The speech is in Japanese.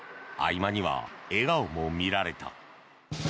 合間には笑顔も見られた。